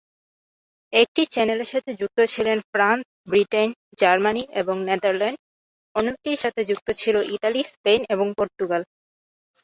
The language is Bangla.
একটি চ্যানেলের সাথে যুক্ত ছিল ফ্রান্স, ব্রিটেন, জার্মানি এবং নেদারল্যান্ডস, অন্যটির সাথে সংযুক্ত ছিল ইতালি, স্পেন এবং পর্তুগাল।